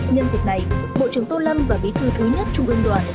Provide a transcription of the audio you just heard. nhân dịp này bộ trưởng tô lâm và bí thư thứ nhất trung ương đoàn